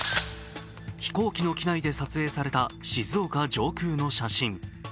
飛行機の機内で撮影された静岡上空の写真。